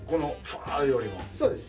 そうです